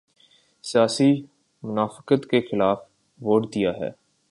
سیاسی منافقت کے خلاف ووٹ دیا ہے۔